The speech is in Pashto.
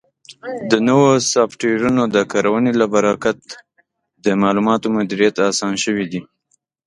د نوو سافټویرونو د کارونې له برکت د معلوماتو مدیریت اسان شوی دی.